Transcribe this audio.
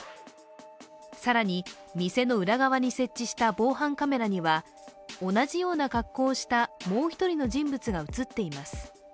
更に、店の裏側に設置した防犯カメラには同じような格好をしたもう一人の人物が映っています。